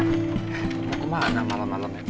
mau ke mana malam malam ya bu